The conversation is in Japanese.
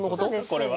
これは。